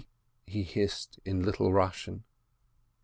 he hissed in Little Russian.